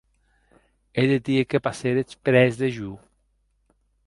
E deth dia que passéretz près de jo?